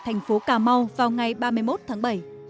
thành phố cà mau vào ngày ba mươi một tháng bảy